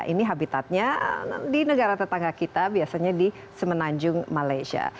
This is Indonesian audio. ini habitatnya di negara tetangga kita biasanya di semenanjung malaysia